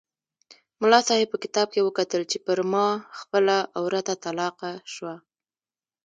ملا صاحب په کتاب کې وکتل چې پر ما خپله عورته طلاقه شوه.